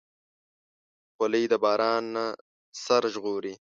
خولۍ د باران نه سر ژغوري.